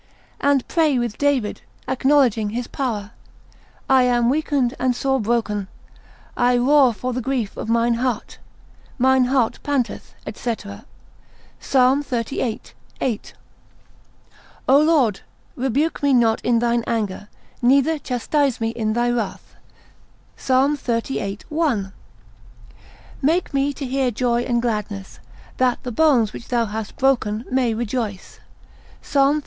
And pray with David, acknowledging his power, I am weakened and sore broken, I roar for the grief of mine heart, mine heart panteth, &c. Psalm xxxviii. 8. O Lord, rebuke me not in thine anger, neither chastise me in thy wrath, Psalm xxxviii. 1. Make me to hear joy and gladness, that the bones which thou hast broken, may rejoice, Psalm li.